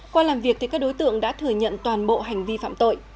qua làm việc các đối tượng đã thừa nhận toàn bộ hành vi phạm tội